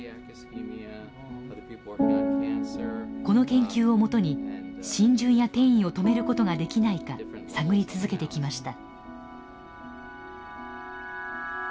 この研究を基に浸潤や転移を止めることができないか探り続けてきました。